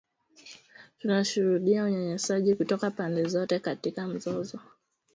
Tunashuhudia unyanyasaji kutoka pande zote katika mzozo